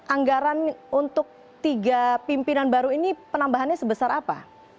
anggaran untuk tiga pimpinan baru ini penambahannya sebesar apa